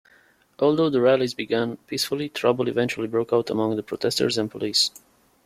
Although the rallies began peacefully, trouble eventually broke out among the protesters and police.